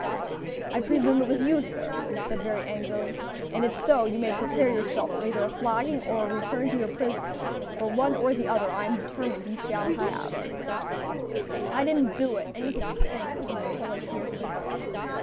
"I presume it was you, sir," he said very angrily, "and if so, you may prepare yourself for either a flogging or a return to your prison, for one or the other I am determined you shall have." "I didn't do it, any such thing," replied the boy, fiercely.